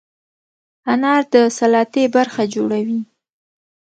انار د سلاتې برخه جوړوي.